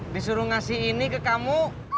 disuruh ngasih ini ke kamu